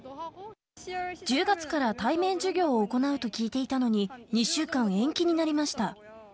１０月から対面授業を行うと聞いていたのに、２週間延期になりました。